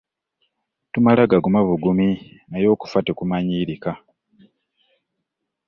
Tumala gaguma bugumi naye okufa tekumanyiirika.